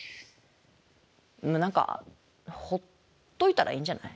何かほっといたらいいんじゃない？